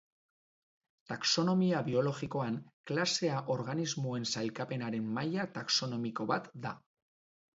Taxonomia biologikoan, klasea organismoen sailkapenaren maila taxonomiko bat da.